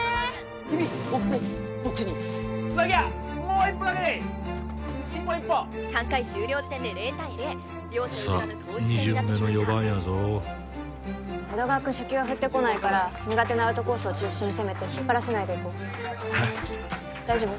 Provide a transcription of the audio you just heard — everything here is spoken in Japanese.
君ボックスへこっちに椿谷もう一歩だけでいい一歩一歩３回終了時点で０対０さあ２巡目の４番やぞ江戸川くん初球は振ってこないから苦手なアウトコースを中心に攻めて引っ張らせないでいこうはい大丈夫？